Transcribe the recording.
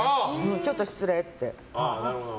ちょっと失礼って。